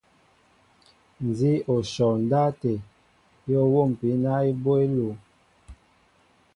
Nzi o shɔ ya ndáw até, i o nwómpin na eboy elúŋ.